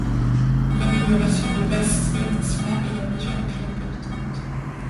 L'amélioration de l’assainissement est la mesure la plus importante.